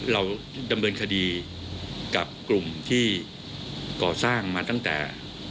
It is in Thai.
เราดำเนินคดีกับกลุ่มที่ก่อสร้างมาตั้งแต่